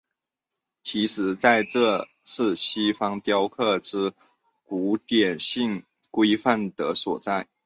其实这就是西方雕刻之古典性规范的所在。